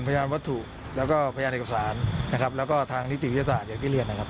พยานวัตถุแล้วก็พยานเอกสารนะครับแล้วก็ทางนิติวิทยาศาสตร์อย่างที่เรียนนะครับ